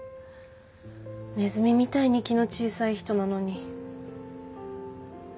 ネズミみたいに気の小さい人なのに。